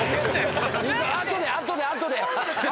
あとであとであとで！